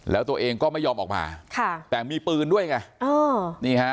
แล้วตัวเองก็ไม่ยอมออกมาค่ะแต่มีปืนด้วยไงเออนี่ฮะ